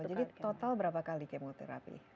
jadi total berapa kali kemoterapi